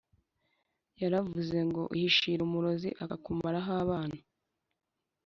yaravuze ngo “uhishira umurozi akakumaraho abana”.